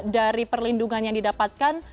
dari perlindungan yang didapatkan